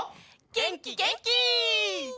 げんきげんき！